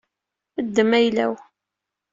Ddem ayla-w.